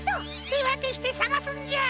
てわけしてさがすんじゃ！